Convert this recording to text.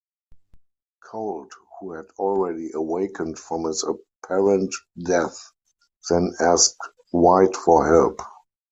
Colt, who had already awakened from his apparent death, then asked White for help.